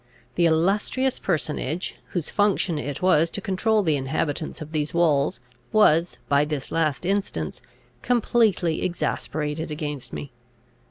The illustrious personage, whose functions it was to control the inhabitants of these walls, was, by this last instance, completely exasperated against me.